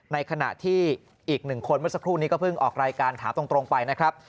ในขณะที่อีกหนึ่งคนเมื่อสักครู่นี้ก็เพิ่งออกรายการถามตรงไปนะครับ